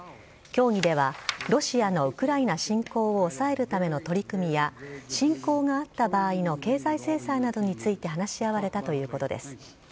協議では、ロシアのウクライナ侵攻を抑えるための取り組みや、侵攻があった場合の経済制裁などについて話し合われたということです。